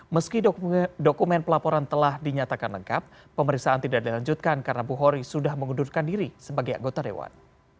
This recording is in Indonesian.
meski dokumen pelaporan telah dinyatakan lengkap pemeriksaan tidak dilanjutkan karena bu hori sudah mengundurkan diri sebagai anggota dewan